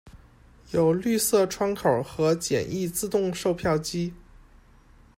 有绿色窗口和简易自动售票机。